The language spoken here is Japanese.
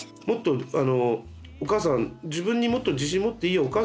もっとお母さん自分にもっと自信を持っていいよ。